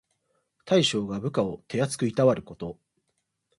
大将が部下を手あつくいたわること。